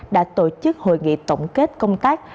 đã tổ chức hội nghị tổng kết công tác